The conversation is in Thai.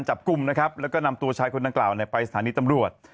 จับกลุ่มนะครับแล้วก็นำตัวชายคนดังกล่าวไปสถานีตำรวจ